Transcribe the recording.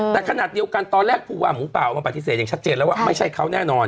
แต่ขนาดเดียวกันตอนแรกผู้ว่าหมูป่าออกมาปฏิเสธอย่างชัดเจนแล้วว่าไม่ใช่เขาแน่นอน